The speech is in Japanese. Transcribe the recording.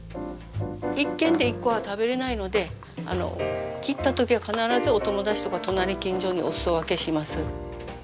１軒で１個は食べれないので切った時は必ずお友達とか隣近所におすそ分けします。